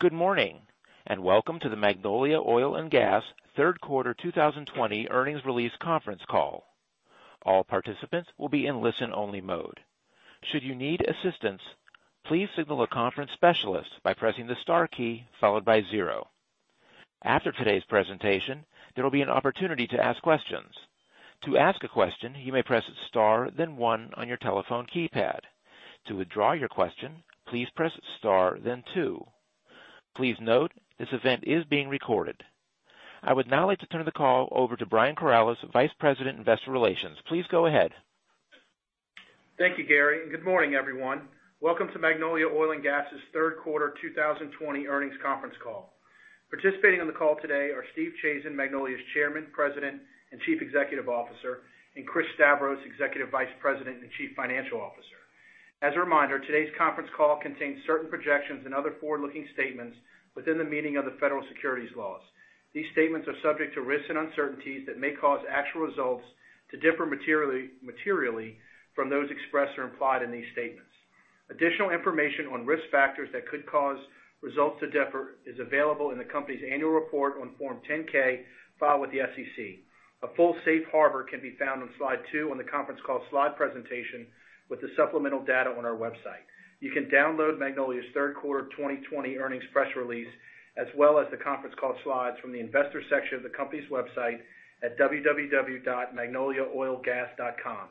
Good morning, welcome to the Magnolia Oil & Gas third quarter 2020 earnings release conference call. All participants will be in listen-only mode. Should you need assistance, please signal a conference specialist by pressing the star key followed by zero. After today's presentation, there will be an opportunity to ask questions. To ask a question, you may press star then one on your telephone keypad. To withdraw your question, please press star then two. Please note, this event is being recorded. I would now like to turn the call over to Brian Corales, Vice President, Investor Relations. Please go ahead. Thank you, Gary, and good morning, everyone. Welcome to Magnolia Oil & Gas' third quarter 2020 earnings conference call. Participating on the call today are Steve Chazen, Magnolia's Chairman, President, and Chief Executive Officer, and Chris Stavros, Executive Vice President and Chief Financial Officer. As a reminder, today's conference call contains certain projections and other forward-looking statements within the meaning of the federal securities laws. These statements are subject to risks and uncertainties that may cause actual results to differ materially from those expressed or implied in these statements. Additional information on risk factors that could cause results to differ is available in the company's annual report on Form 10-K filed with the SEC. A full safe harbor can be found on slide two on the conference call slide presentation with the supplemental data on our website. You can download Magnolia's third quarter 2020 earnings press release, as well as the conference call slides from the investor section of the company's website at www.magnoliaoilandgas.com.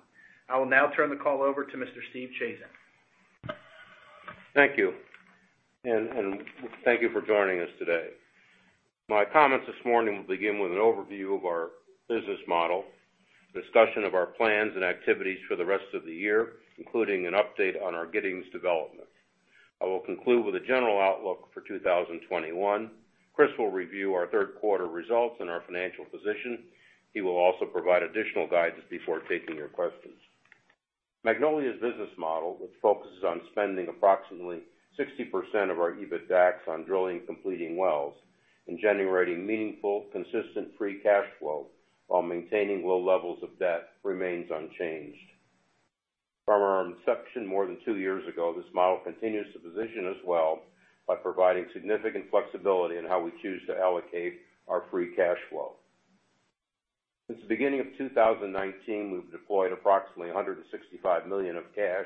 I will now turn the call over to Mr. Steve Chazen. Thank you, and thank you for joining us today. My comments this morning will begin with an overview of our business model, discussion of our plans and activities for the rest of the year, including an update on our Giddings development. I will conclude with a general outlook for 2021. Chris will review our third quarter results and our financial position. He will also provide additional guidance before taking your questions. Magnolia's business model, which focuses on spending approximately 60% of our EBITDAX on drilling and completing wells and generating meaningful, consistent free cash flow while maintaining low levels of debt, remains unchanged. From our inception more than two years ago, this model continues to position us well by providing significant flexibility in how we choose to allocate our free cash flow. Since the beginning of 2019, we've deployed approximately $165 million of cash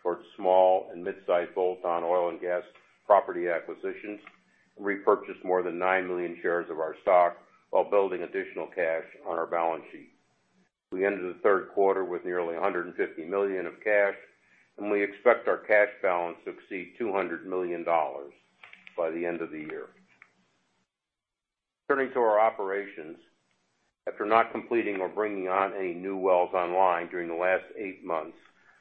towards small and midsize bolt-on oil and gas property acquisitions, repurchased more than 9 million shares of our stock while building additional cash on our balance sheet. We ended the third quarter with nearly $150 million of cash. We expect our cash balance to exceed $200 million by the end of the year. Turning to our operations. After not completing or bringing on any new wells online during the last eight months,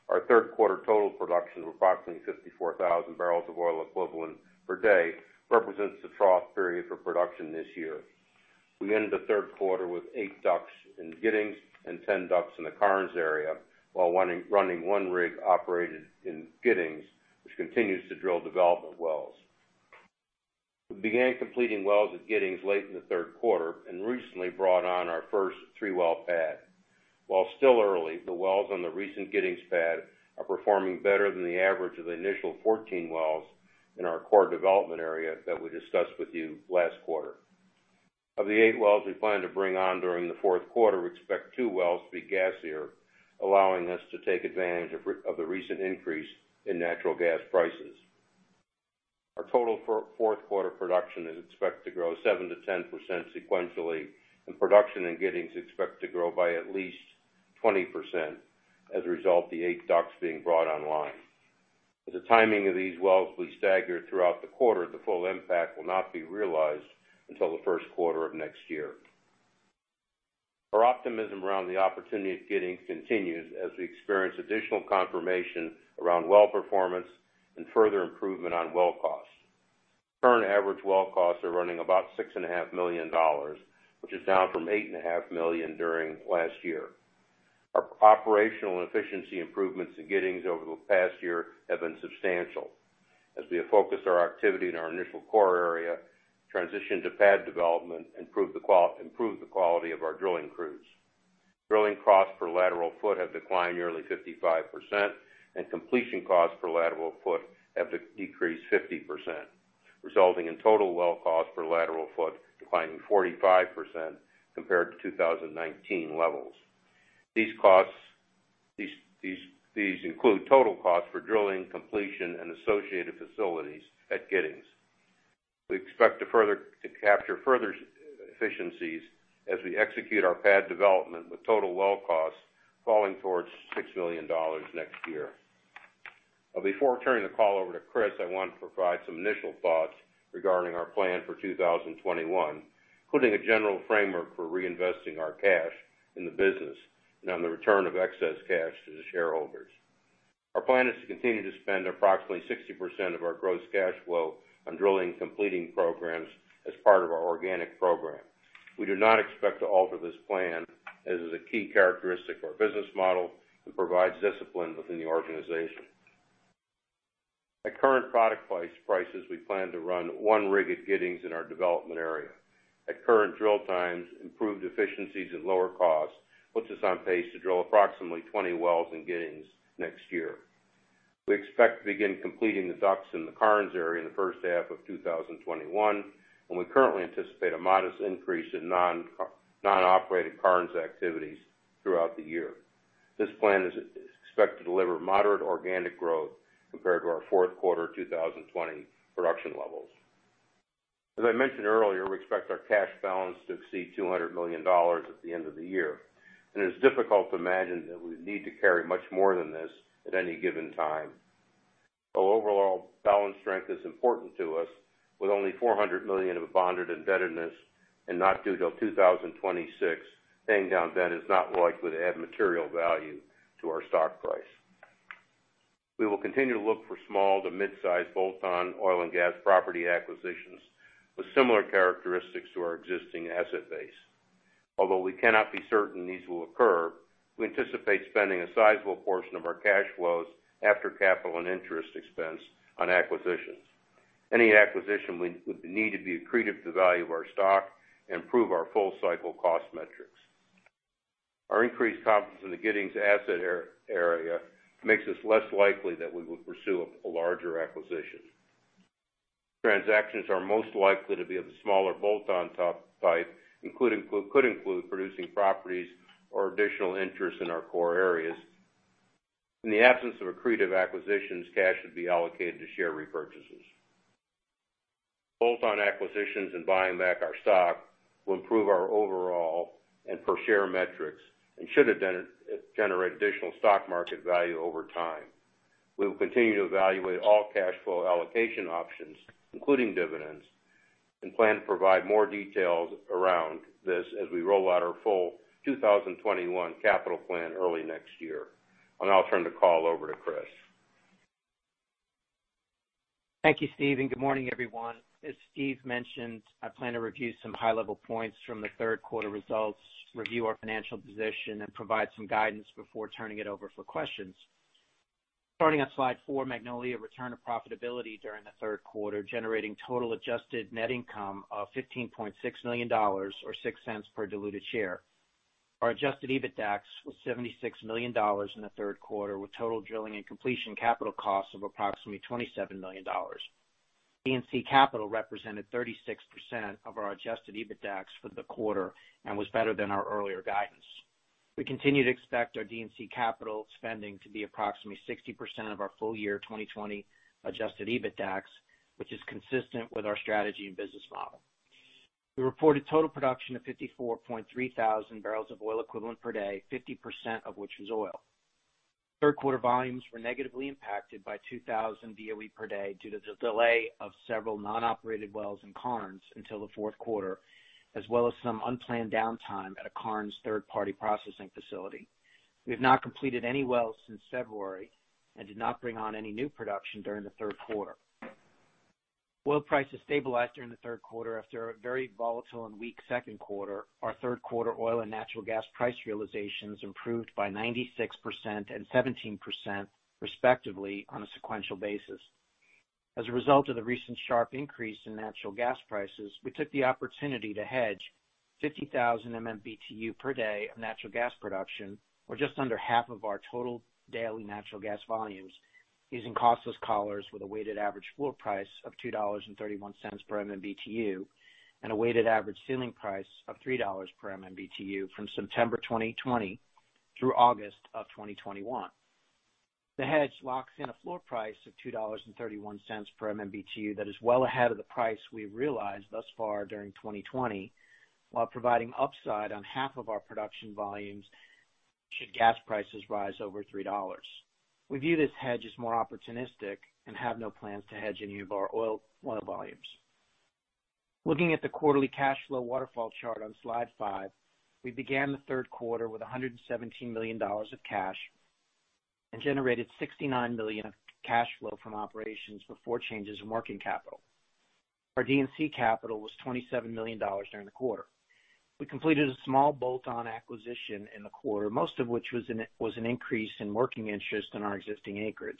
our third quarter total production of approximately 54,000 bbl of oil equivalent per day represents the trough period for production this year. We ended the third quarter with eight DUCs in Giddings and 10 DUCs in the Karnes area, while running one rig operated in Giddings, which continues to drill development wells. We began completing wells at Giddings late in the third quarter and recently brought on our first three-well pad. While still early, the wells on the recent Giddings pad are performing better than the average of the initial 14 wells in our core development area that we discussed with you last quarter. Of the eight wells we plan to bring on during the fourth quarter, we expect two wells to be gassier, allowing us to take advantage of the recent increase in natural gas prices. Our total fourth quarter production is expected to grow 7%-10% sequentially, and production in Giddings is expected to grow by at least 20% as a result of the eight DUCs being brought online. As the timing of these wells will be staggered throughout the quarter, the full impact will not be realized until the first quarter of next year. Our optimism around the opportunity at Giddings continues as we experience additional confirmation around well performance and further improvement on well costs. Current average well costs are running about $6.5 million, which is down from $8.5 million during last year. Our operational efficiency improvements in Giddings over the past year have been substantial as we have focused our activity in our initial core area, transitioned to pad development, and improved the quality of our drilling crews. Drilling costs per lateral foot have declined nearly 55%, and completion costs per lateral foot have decreased 50%, resulting in total well cost per lateral foot declining 45% compared to 2019 levels. These include total costs for drilling, completion, and associated facilities at Giddings. We expect to capture further efficiencies as we execute our pad development, with total well costs falling towards $6 million next year. Before turning the call over to Chris, I want to provide some initial thoughts regarding our plan for 2021, including a general framework for reinvesting our cash in the business and on the return of excess cash to the shareholders. Our plan is to continue to spend approximately 60% of our gross cash flow on drilling and completing programs as part of our organic program. We do not expect to alter this plan as it is a key characteristic of our business model and provides discipline within the organization. At current product prices, we plan to run one rig at Giddings in our development area. At current drill times, improved efficiencies at lower cost puts us on pace to drill approximately 20 wells in Giddings next year. We expect to begin completing the DUCs in the Karnes area in the first half of 2021, and we currently anticipate a modest increase in non-operated Karnes activities throughout the year. This plan is expected to deliver moderate organic growth compared to our fourth quarter 2020 production levels. As I mentioned earlier, we expect our cash balance to exceed $200 million at the end of the year, and it's difficult to imagine that we'd need to carry much more than this at any given time. Though overall balance strength is important to us, with only $400 million of bonded indebtedness and not due till 2026, paying down debt is not likely to add material value to our stock price. We will continue to look for small to mid-size bolt-on oil and gas property acquisitions with similar characteristics to our existing asset base. Although we cannot be certain these will occur, we anticipate spending a sizable portion of our cash flows after capital and interest expense on acquisitions. Any acquisition would need to be accretive to the value of our stock and improve our full cycle cost metrics. Our increased confidence in the Giddings asset area makes us less likely that we would pursue a larger acquisition. Transactions are most likely to be of the smaller bolt-on top type, could include producing properties or additional interest in our core areas. In the absence of accretive acquisitions, cash would be allocated to share repurchases. Bolt-on acquisitions and buying back our stock will improve our overall and per share metrics and should generate additional stock market value over time. We will continue to evaluate all cash flow allocation options, including dividends, and plan to provide more details around this as we roll out our full 2021 capital plan early next year. I'll now turn the call over to Chris. Thank you, Steve, and good morning, everyone. As Steve mentioned, I plan to review some high-level points from the third quarter results, review our financial position, and provide some guidance before turning it over for questions. Starting on slide four, Magnolia returned to profitability during the third quarter, generating total adjusted net income of $15.6 million, or $0.06 per diluted share. Our adjusted EBITDAX was $76 million in the third quarter, with total drilling and completion capital costs of approximately $27 million. D&C capital represented 36% of our adjusted EBITDAX for the quarter and was better than our earlier guidance. We continue to expect our D&C capital spending to be approximately 60% of our full year 2020 adjusted EBITDAX, which is consistent with our strategy and business model. We reported total production of 54.3 thousand bbl of oil equivalent per day, 50% of which was oil. Third quarter volumes were negatively impacted by 2,000 BOE per day due to the delay of several non-operated wells in Karnes until the fourth quarter, as well as some unplanned downtime at a Karnes third-party processing facility. We have not completed any wells since February and did not bring on any new production during the third quarter. Oil prices stabilized during the third quarter after a very volatile and weak second quarter. Our third quarter oil and natural gas price realizations improved by 96% and 17%, respectively, on a sequential basis. As a result of the recent sharp increase in natural gas prices, we took the opportunity to hedge 50,000 MMBtu per day of natural gas production or just under half of our total daily natural gas volumes using costless collars with a weighted average floor price of $2.31 per MMBtu and a weighted average ceiling price of $3 per MMBtu from September 2020 through August of 2021. The hedge locks in a floor price of $2.31 per MMBtu that is well ahead of the price we've realized thus far during 2020, while providing upside on half of our production volumes should gas prices rise over $3. We view this hedge as more opportunistic and have no plans to hedge any of our oil volumes. Looking at the quarterly cash flow waterfall chart on slide five, we began the third quarter with $117 million of cash and generated $69 million of cash flow from operations before changes in working capital. Our D&C capital was $27 million during the quarter. We completed a small bolt-on acquisition in the quarter, most of which was an increase in working interest in our existing acreage.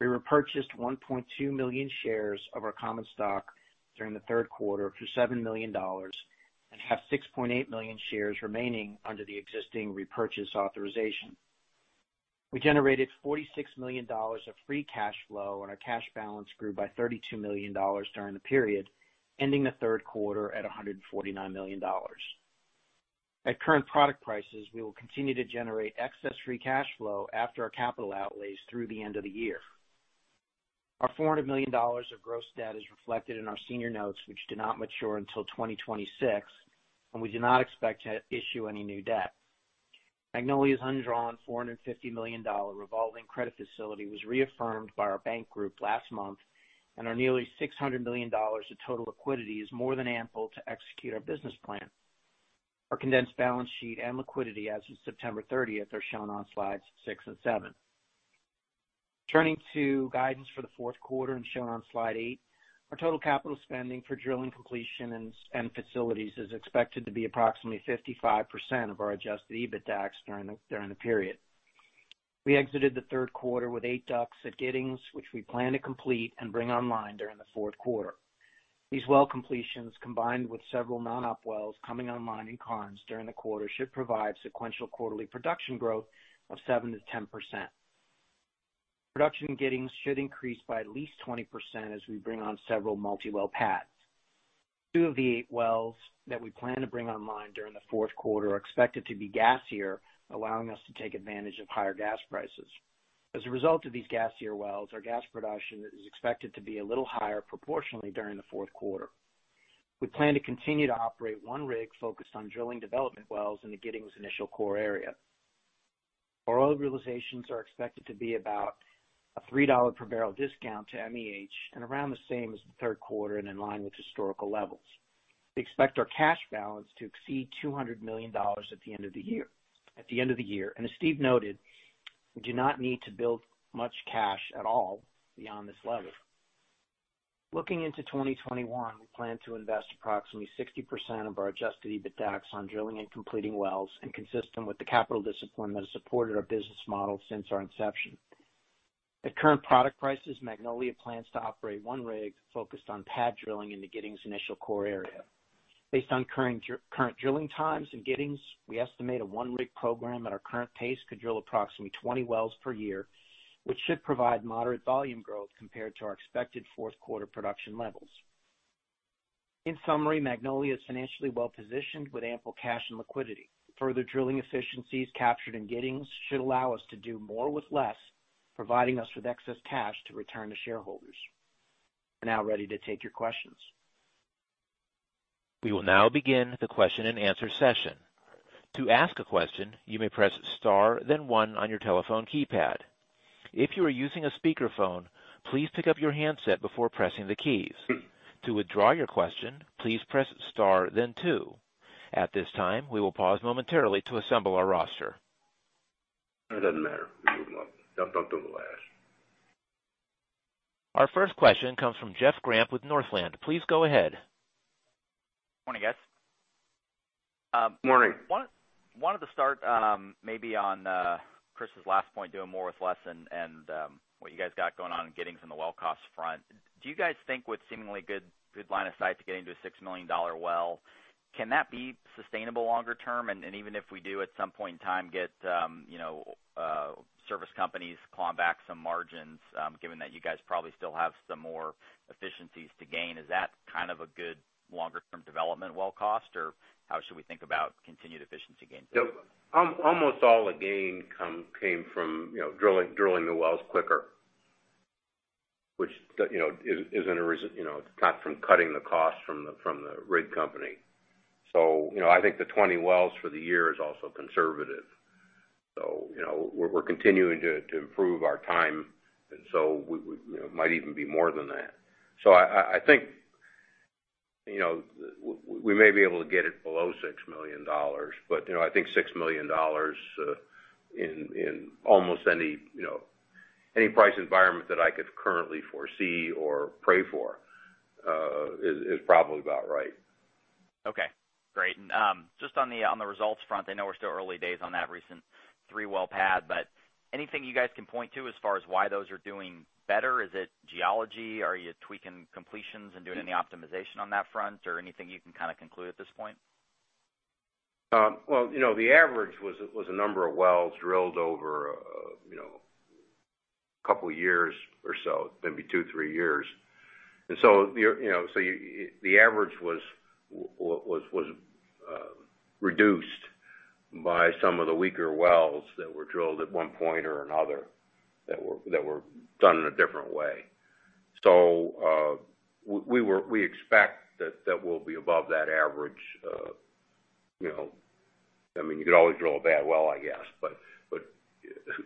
We repurchased 1.2 million shares of our common stock during the third quarter for $7 million and have 6.8 million shares remaining under the existing repurchase authorization. We generated $46 million of free cash flow, and our cash balance grew by $32 million during the period, ending the third quarter at $149 million. At current product prices, we will continue to generate excess free cash flow after our capital outlays through the end of the year. Our $400 million of gross debt is reflected in our senior notes, which do not mature until 2026, and we do not expect to issue any new debt. Magnolia's undrawn $450 million revolving credit facility was reaffirmed by our bank group last month, and our nearly $600 million of total liquidity is more than ample to execute our business plan. Our condensed balance sheet and liquidity as of September 30th are shown on slides six and seven. Turning to guidance for the fourth quarter and shown on slide eight, our total capital spending for drilling completion and facilities is expected to be approximately 55% of our adjusted EBITDAX during the period. We exited the third quarter with eight DUCs at Giddings, which we plan to complete and bring online during the fourth quarter. These well completions, combined with several non-op wells coming online in Karnes during the quarter, should provide sequential quarterly production growth of 7%-10%. Production in Giddings should increase by at least 20% as we bring on several multi-well pads. Two of the eight wells that we plan to bring online during the fourth quarter are expected to be gassier, allowing us to take advantage of higher gas prices. As a result of these gassier wells, our gas production is expected to be a little higher proportionally during the fourth quarter. We plan to continue to operate one rig focused on drilling development wells in the Giddings initial core area. Our oil realizations are expected to be about a $3 per bbl discount to MEH and around the same as the third quarter and in line with historical levels. We expect our cash balance to exceed $200 million at the end of the year. As Steve noted, we do not need to build much cash at all beyond this level. Looking into 2021, we plan to invest approximately 60% of our adjusted EBITDAX on drilling and completing wells and consistent with the capital discipline that has supported our business model since our inception. At current product prices, Magnolia plans to operate one rig focused on pad drilling in the Giddings initial core area. Based on current drilling times in Giddings, we estimate a one-rig program at our current pace could drill approximately 20 wells per year, which should provide moderate volume growth compared to our expected fourth quarter production levels. In summary, Magnolia is financially well-positioned with ample cash and liquidity. Further drilling efficiencies captured in Giddings should allow us to do more with less, providing us with excess cash to return to shareholders. We're now ready to take your questions. We will now begin the question and answer session. To ask a question, you may press star then one on your telephone keypad. If you are using a speakerphone, please pick up your handset before pressing the keys. To withdraw your question, please press star then two. At this time, we will pause momentarily to assemble our roster. It doesn't matter. We move them up. That's up to the last. Our first question comes from Jeff Gramp with Northland. Please go ahead. Morning, guys. Morning. Wanted to start maybe on Chris's last point, doing more with less, and what you guys got going on in Giddings on the well cost front. Do you guys think with seemingly good line of sight to getting to a $6 million well, can that be sustainable longer term? Even if we do at some point in time get service companies clawing back some margins, given that you guys probably still have some more efficiencies to gain, is that a good longer-term development well cost, or how should we think about continued efficiency gains? Almost all the gain came from drilling the wells quicker. It's not from cutting the cost from the rig company. I think the 20 wells for the year is also conservative. We're continuing to improve our time, and so it might even be more than that. I think we may be able to get it below $6 million, but I think $6 million in almost any price environment that I could currently foresee or pray for is probably about right. Okay, great. Just on the results front, I know we're still early days on that recent three-well pad, but anything you guys can point to as far as why those are doing better? Is it geology? Are you tweaking completions and doing any optimization on that front, or anything you can conclude at this point? Well, the average was a number of wells drilled over a couple of years or so, maybe two, three years. The average was reduced by some of the weaker wells that were drilled at one point or another that were done in a different way. We expect that we'll be above that average. You could always drill a bad well, I guess,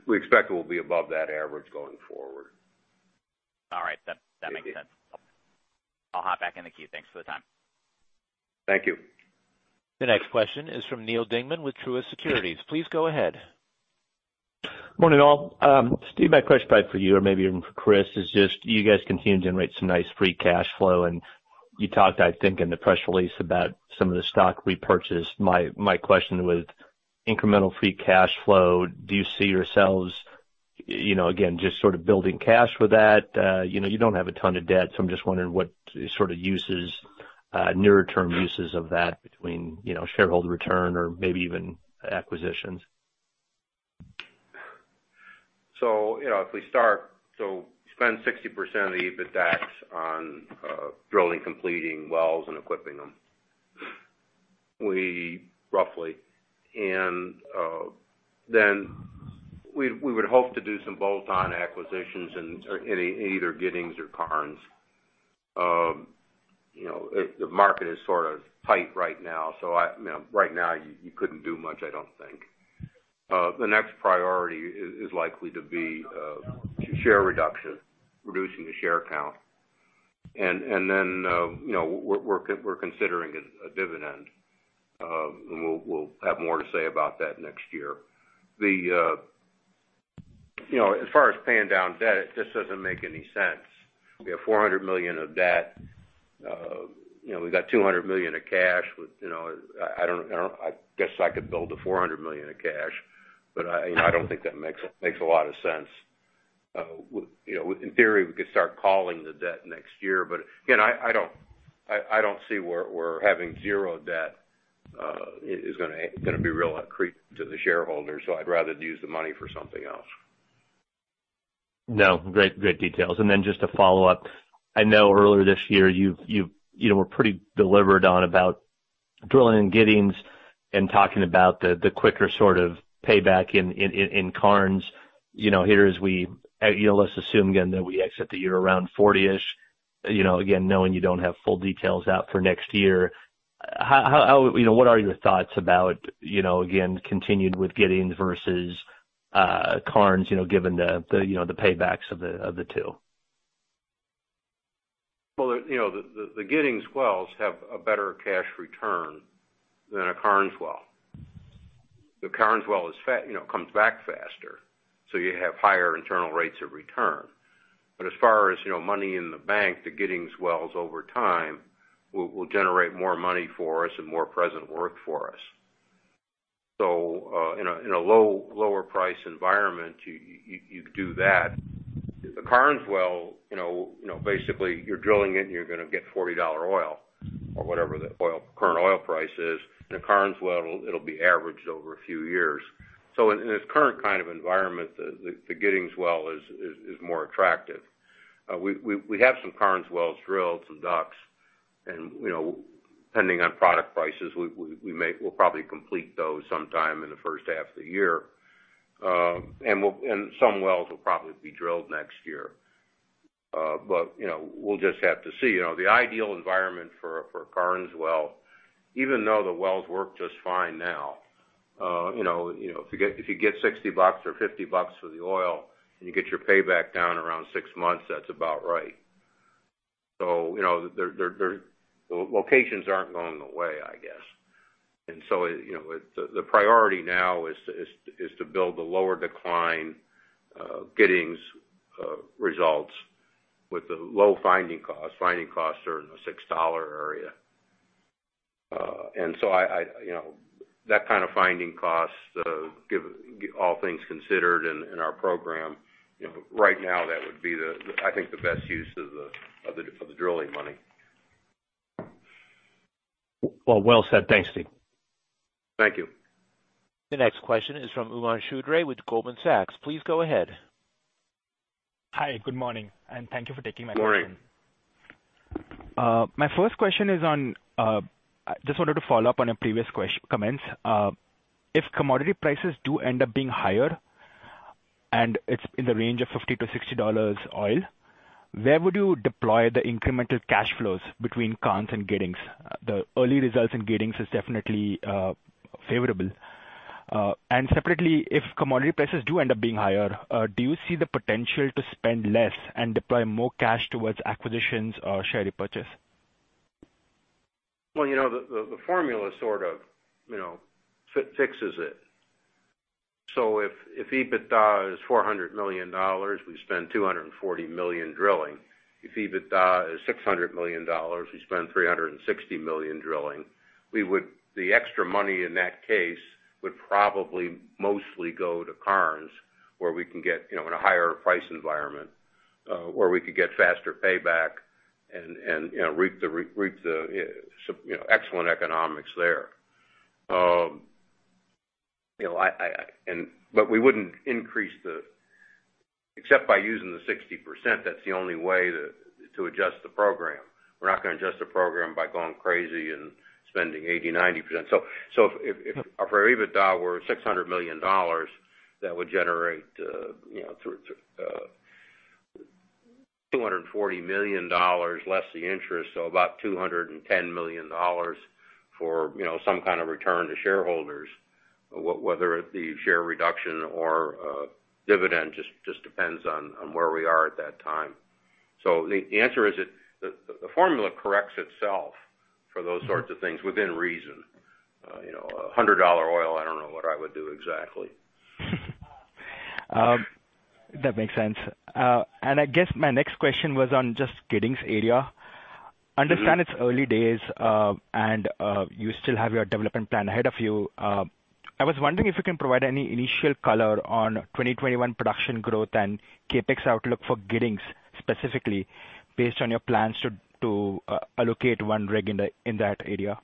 we expect we'll be above that average going forward. All right. That makes sense. I'll hop back in the queue. Thanks for the time. Thank you. The next question is from Neal Dingmann with Truist Securities. Please go ahead. Morning, all. Steve, my question probably for you or maybe even for Chris is just you guys continue to generate some nice free cash flow, and you talked, I think, in the press release about some of the stock repurchase. My question with incremental free cash flow, do you see yourselves, again, just building cash with that? You don't have a ton of debt. I'm just wondering what nearer term uses of that between shareholder return or maybe even acquisitions? If we start, we spend 60% of the EBITDAX on drilling, completing wells, and equipping them, roughly. Then we would hope to do some bolt-on acquisitions in either Giddings or Karnes. The market is tight right now. Right now, you couldn't do much, I don't think. The next priority is likely to be share reduction, reducing the share count. Then we're considering a dividend. We'll have more to say about that next year. As far as paying down debt, it just doesn't make any sense. We have $400 million of debt. We've got $200 million of cash. I guess I could build the $400 million of cash, but I don't think that makes a lot of sense. In theory, we could start calling the debt next year, but I don't see where having zero debt is going to be real accretive to the shareholders, so I'd rather use the money for something else. No, great details. Just a follow-up. I know earlier this year you were pretty deliberate on about drilling in Giddings and talking about the quicker sort of payback in Karnes. Here, let's assume again that we exit the year around $40-ish. Knowing you don't have full details out for next year, what are your thoughts about, again, continued with Giddings versus Karnes, given the paybacks of the two? The Giddings wells have a better cash return than a Karnes well. The Karnes well comes back faster, so you have higher internal rates of return. As far as money in the bank, the Giddings wells over time will generate more money for us and more present worth for us. In a lower price environment, you do that. The Karnes well, basically you're drilling it and you're going to get $40 oil or whatever the current oil price is. The Karnes well, it'll be averaged over a few years. In this current kind of environment, the Giddings well is more attractive. We have some Karnes wells drilled, some DUCs, and depending on product prices, we'll probably complete those sometime in the first half of the year. Some wells will probably be drilled next year. We'll just have to see. The ideal environment for a Karnes well, even though the wells work just fine now, if you get $60 or $50 for the oil, and you get your payback down around six months, that's about right. The locations aren't going away, I guess. The priority now is to build the lower decline Giddings results with the low finding costs. Finding costs are in the $6 area. That kind of finding cost, all things considered in our program right now, that would be I think the best use of the drilling money. Well said. Thanks, Steve. Thank you. The next question is from Umang Choudhary with Goldman Sachs. Please go ahead. Hi, good morning, and thank you for taking my question. Good morning. My first question, I just wanted to follow up on a previous comment. If commodity prices do end up being higher, and it's in the range of $50-$60 oil, where would you deploy the incremental cash flows between Karnes and Giddings? The early results in Giddings is definitely favorable. Separately, if commodity prices do end up being higher, do you see the potential to spend less and deploy more cash towards acquisitions or share repurchase? The formula sort of fixes it. If EBITDA is $400 million, we spend $240 million drilling. If EBITDA is $600 million, we spend $360 million drilling. The extra money in that case would probably mostly go to Karnes, in a higher price environment, where we could get faster payback and reap the excellent economics there. We wouldn't increase the except by using the 60%, that's the only way to adjust the program. We're not going to adjust the program by going crazy and spending 80%-90%. If our EBITDA were $600 million, that would generate $240 million, less the interest, about $210 million for some kind of return to shareholders, whether it be share reduction or dividend, just depends on where we are at that time. The answer is that the formula corrects itself for those sorts of things within reason. $100 oil, I don't know what I would do exactly. That makes sense. I guess my next question was on just Giddings area. Understand it's early days, and you still have your development plan ahead of you. I was wondering if you can provide any initial color on 2021 production growth and CapEx outlook for Giddings, specifically based on your plans to allocate one rig in that area.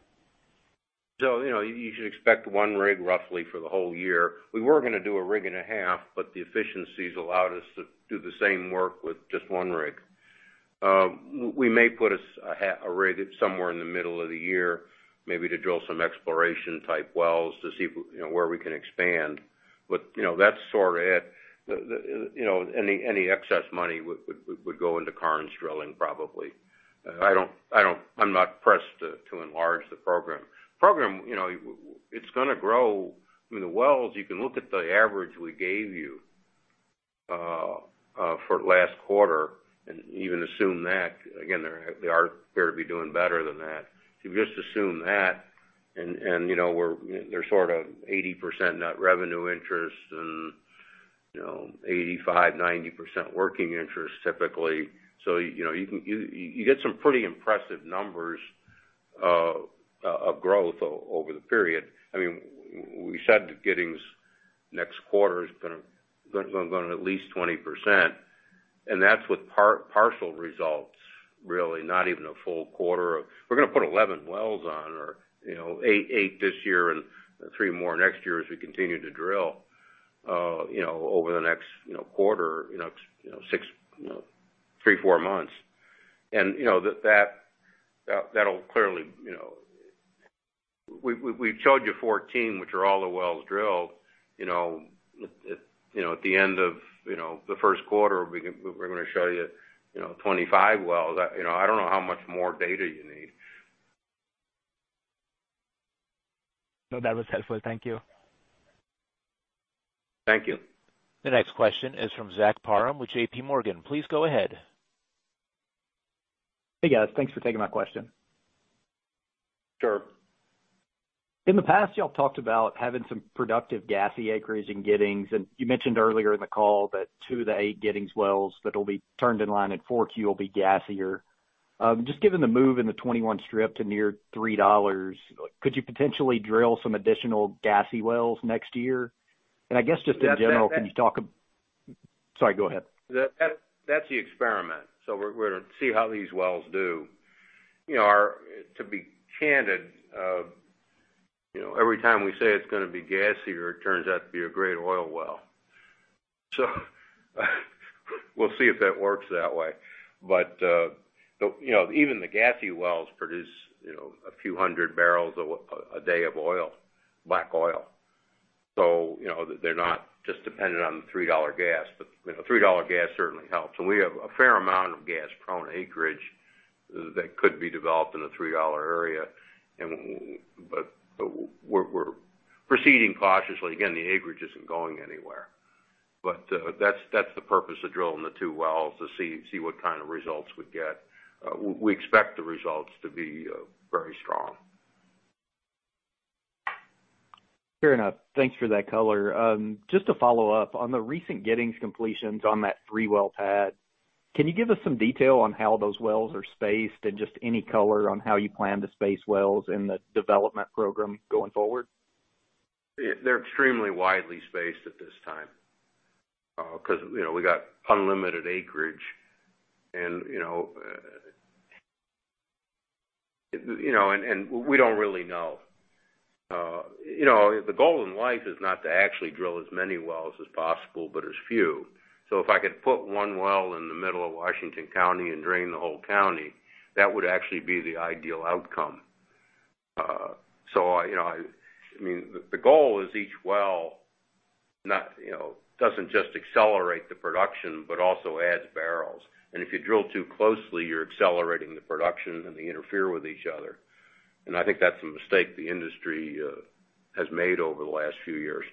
You should expect one rig roughly for the whole year. We were going to do a rig and a half, the efficiencies allowed us to do the same work with just one rig. We may put a rig somewhere in the middle of the year, maybe to drill some exploration type wells to see where we can expand. That's sort of it. Any excess money would go into Karnes drilling, probably. I'm not pressed to enlarge the program. Program, it's going to grow. I mean, the wells, you can look at the average we gave you for last quarter and even assume that. Again, they appear to be doing better than that. If you just assume that, they're sort of 80% net revenue interest and 85%, 90% working interest, typically. You get some pretty impressive numbers of growth over the period. We said Giddings next quarter is going to at least 20%. That's with partial results, really, not even a full quarter. We're going to put 11 wells on, or eight this year and three more next year as we continue to drill over the next quarter, three, four months. We've showed you 14, which are all the wells drilled. At the end of the first quarter, we're going to show you 25 wells. I don't know how much more data you need. That was helpful. Thank you. Thank you. The next question is from Zach Parham with JPMorgan. Please go ahead. Hey, guys. Thanks for taking my question. Sure. In the past, you all talked about having some productive gassy acreage in Giddings, and you mentioned earlier in the call that two of the eight Giddings wells that'll be turned in line at 4Q will be gassier. Just given the move in the 21 strip to near $3, could you potentially drill some additional gassy wells next year? I guess just in general, can you talk Sorry, go ahead. That's the experiment. We're going to see how these wells do. To be candid, every time we say it's going to be gassier, it turns out to be a great oil well. We'll see if that works that way. Even the gassy wells produce a few hundred barrels a day of black oil. They're not just dependent on the $3 gas, but $3 gas certainly helps. We have a fair amount of gas-prone acreage that could be developed in the $3 area. We're proceeding cautiously. Again, the acreage isn't going anywhere. That's the purpose of drilling the two wells, to see what kind of results we get. We expect the results to be very strong. Fair enough. Thanks for that color. Just to follow up, on the recent Giddings completions on that three-well pad, can you give us some detail on how those wells are spaced and just any color on how you plan to space wells in the development program going forward? They're extremely widely spaced at this time. We got unlimited acreage, and we don't really know. The goal in life is not to actually drill as many wells as possible, but as few. If I could put one well in the middle of Washington County and drain the whole county, that would actually be the ideal outcome. The goal is each well doesn't just accelerate the production, but also adds barrels. If you drill too closely, you're accelerating the production, and they interfere with each other. I think that's a mistake the industry has made over the last few years.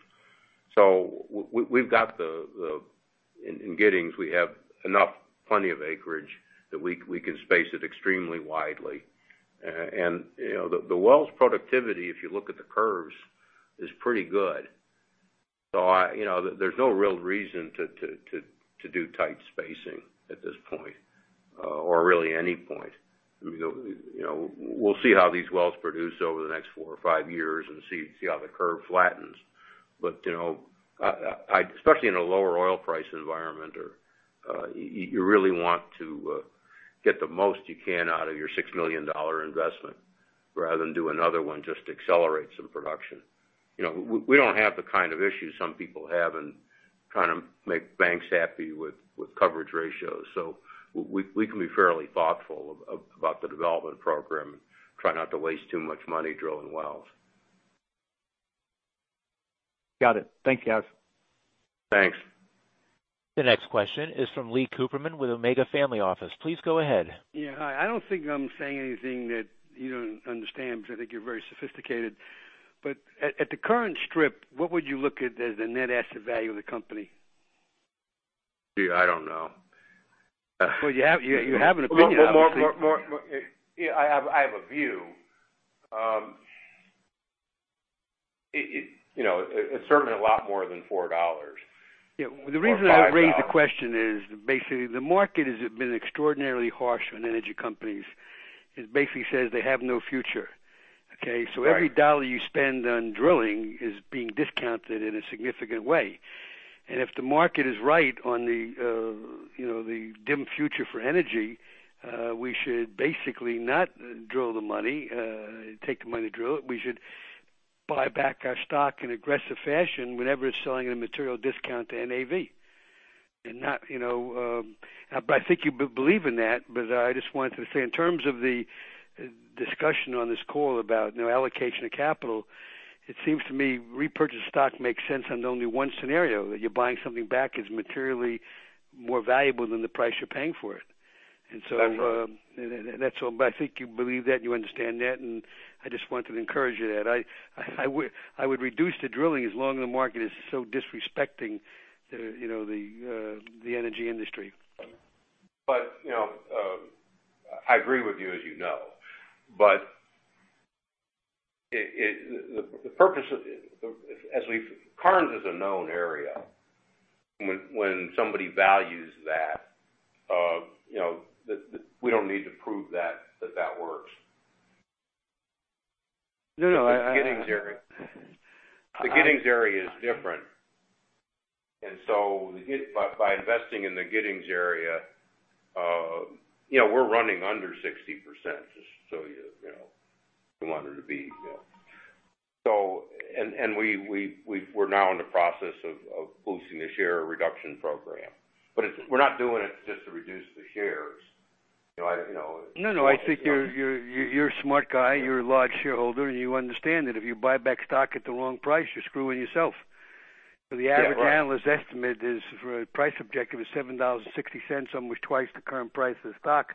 In Giddings, we have plenty of acreage that we can space it extremely widely. The wells' productivity, if you look at the curves, is pretty good. There's no real reason to do tight spacing at this point or really any point. We'll see how these wells produce over the next four or five years and see how the curve flattens. especially in a lower oil price environment, you really want to get the most you can out of your $6 million investment rather than do another one just to accelerate some production. We don't have the kind of issues some people have in trying to make banks happy with coverage ratios. we can be fairly thoughtful about the development program and try not to waste too much money drilling wells. Got it. Thank you, guys. Thanks. The next question is from Leon Cooperman with Omega Family Office. Please go ahead. Yeah. Hi. I don't think I'm saying anything that you don't understand because I think you're very sophisticated. At the current strip, what would you look at as the net asset value of the company? Gee, I don't know. Well, you have an opinion, obviously. I have a view. It's certainly a lot more than $4 or $5. Yeah. The reason I raise the question is basically the market has been extraordinarily harsh on energy companies. It basically says they have no future. Okay? Right. Every dollar you spend on drilling is being discounted in a significant way. If the market is right on the dim future for energy, we should basically not take the money to drill it. We should buy back our stock in aggressive fashion whenever it's selling at a material discount to NAV. I think you believe in that, but I just wanted to say, in terms of the discussion on this call about allocation of capital, it seems to me repurchased stock makes sense on only one scenario, that you're buying something back that's materially more valuable than the price you're paying for it. Absolutely. I think you believe that, you understand that, and I just wanted to encourage you that. I would reduce the drilling as long as the market is so disrespecting the energy industry. I agree with you, as you know. Karnes is a known area. When somebody values that, we don't need to prove that works. No. The Giddings area is different. By investing in the Giddings area, we're running under 60%, just so you know. We're now in the process of boosting the share reduction program. We're not doing it just to reduce the shares. I think you're a smart guy, you're a large shareholder, and you understand that if you buy back stock at the wrong price, you're screwing yourself. Yeah, right. The average analyst estimate is for a price objective of $7.60, almost twice the current price of the stock.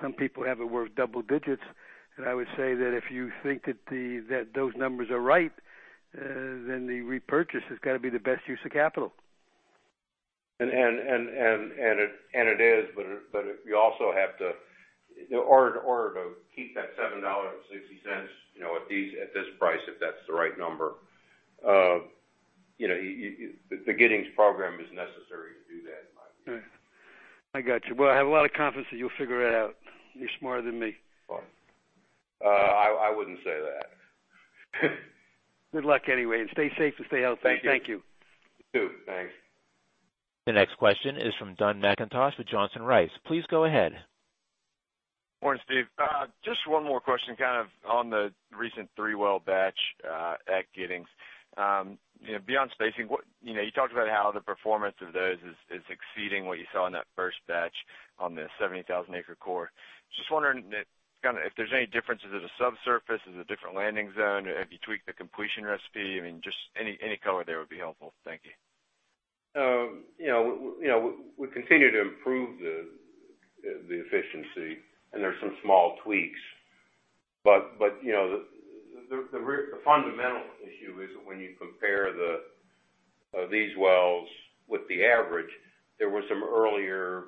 Some people have it worth double digits. I would say that if you think that those numbers are right, then the repurchase has got to be the best use of capital. It is, but in order to keep that $7.60 at this price, if that's the right number, the Giddings program is necessary to do that, in my opinion. I got you. Well, I have a lot of confidence that you'll figure it out. You're smarter than me. Well. I wouldn't say that. Good luck anyway. Stay safe and stay healthy. Thank you. Thank you. You too. Thanks. The next question is from Dun McIntosh with Johnson Rice. Please go ahead. Morning, Steve. Just one more question on the recent three-well batch at Giddings. Beyond spacing, you talked about how the performance of those is exceeding what you saw in that first batch on the 70,000-acre core. Just wondering if there's any differences at a subsurface, is it a different landing zone? Have you tweaked the completion recipe? I mean, just any color there would be helpful. Thank you. We continue to improve the efficiency, and there's some small tweaks. The fundamental issue is when you compare these wells with the average, there were some earlier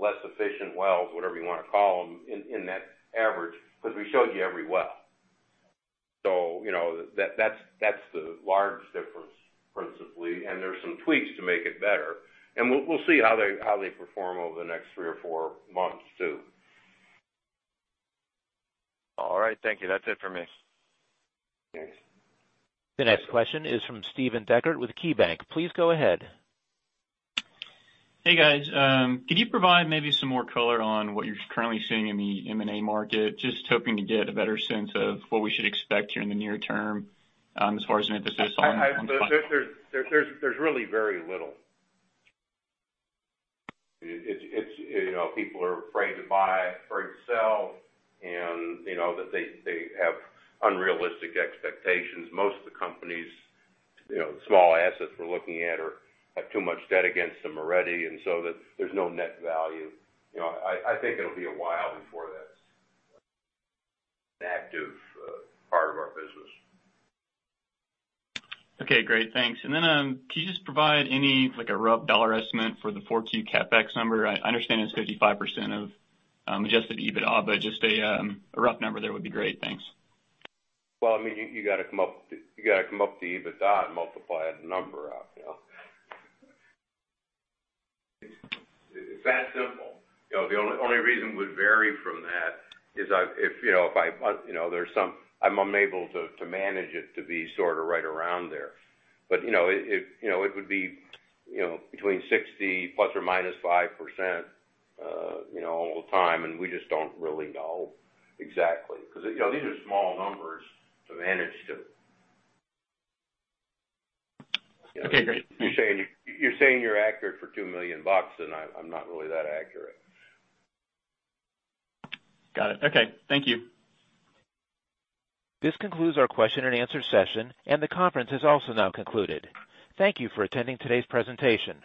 less efficient wells, whatever you want to call them, in that average, because we showed you every well. That's the large difference, principally, and there's some tweaks to make it better. We'll see how they perform over the next three or four months, too. All right. Thank you. That's it for me. Thanks. The next question is from Steven Dechert with KeyBanc. Please go ahead. Hey, guys. Could you provide maybe some more color on what you're currently seeing in the M&A market? Just hoping to get a better sense of what we should expect here in the near term as far as emphasis on. There's really very little. People are afraid to buy, afraid to sell, and they have unrealistic expectations. Most of the companies, the small assets we're looking at have too much debt against them already, and so there's no net value. I think it'll be a while before that's an active part of our business. Okay, great. Thanks. Can you just provide any rough dollar estimate for the 4Q CapEx number? I understand it's 55% of adjusted EBITDA, but just a rough number there would be great. Thanks. Well, you got to come up to EBITDA and multiply that number out. It's that simple. The only reason it would vary from that is if I'm unable to manage it to be right around there. It would be between 60 ±5% all the time, and we just don't really know exactly. These are small numbers to manage to. Okay, great. You're saying you're accurate for $2 million, and I'm not really that accurate. Got it. Okay. Thank you. This concludes our question and answer session. The conference has also now concluded. Thank you for attending today's presentation.